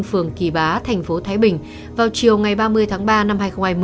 phường kỳ bá thành phố thái bình vào chiều ngày ba mươi tháng ba năm hai nghìn hai mươi